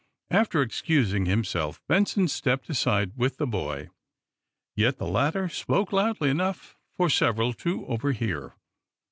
After excusing himself, Benson stepped aside with the boy. Yet the latter spoke loudly enough for several to overhear.